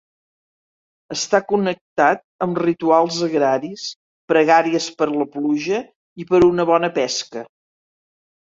Està connectat amb rituals agraris, pregàries per la pluja i per a una bona pesca.